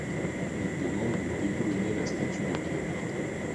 Ils demandent de déboulonner la statue de Cler.